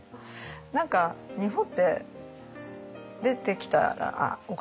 何か日本って出てきたら「あっお金